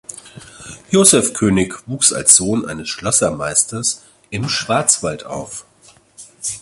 Josef König wuchs als Sohn eines Schlossermeisters im Schwarzwald auf.